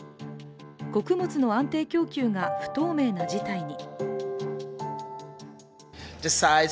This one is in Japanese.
穀物の安定供給が不透明な事態に。